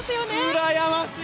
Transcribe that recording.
うらやましい。